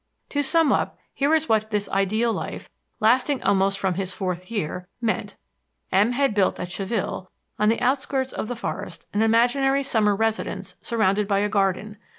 "To sum up, here is what this ideal life, lasting almost from his fourth year, meant: M...... had built at Chaville, on the outskirts of the forest, an imaginary summer residence surrounded by a garden.